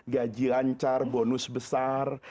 gaji lancar bonus besar